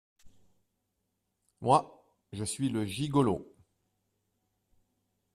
Moi, je suis le gigolo !